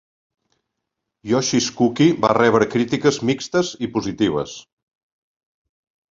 "Yoshi's Cookie" va rebre crítiques mixtes i positives.